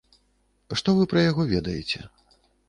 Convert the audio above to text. Што вы пра яго ведаеце?